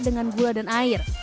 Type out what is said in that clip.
dengan gula dan air